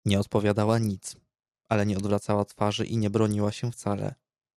"Nie odpowiadała nic, ale nie odwracała twarzy i nie broniła się wcale."